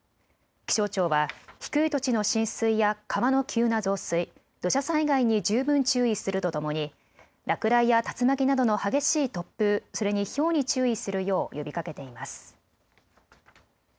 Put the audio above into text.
気象庁は低い土地の浸水や川の急な増水、土砂災害に十分注意するとともに落雷や竜巻などの激しい突風、それにひょうに注意するよう呼びかけています。